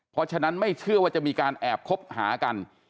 เพราะฉะนั้นไม่เชื่อว่าจะมีการแอบคบหากัน